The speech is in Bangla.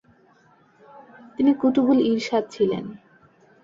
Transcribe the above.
তিনি কুতুবুল ইরশাদ ছিলেন”।